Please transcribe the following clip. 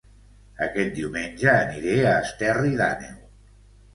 Aquest diumenge aniré a Esterri d'Àneu